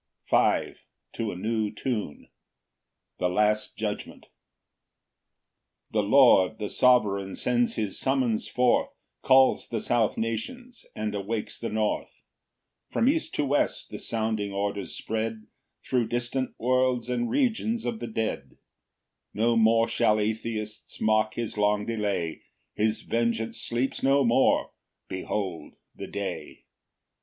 Psalm 50:5. To a new Tune. The last judgment. 1 The Lord the Sovereign sends his summons forth, Calls the south nations, and awakes the north; From east to west the sounding orders spread Thro' distant worlds and regions of the dead: No more shall atheists mock his long delay; His vengeance sleeps no more: behold the day!